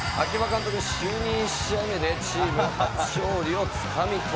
監督就任１試合目でチーム初勝利をつかみ取ったんです。